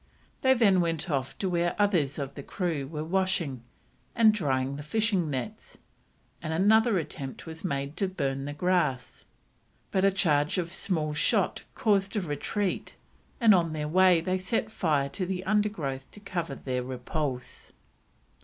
They then went off to where others of the crew were washing, and drying the fishing nets, and another attempt was made to burn the grass; but a charge of small shot caused a retreat, and on their way they set fire to the undergrowth to cover their repulse.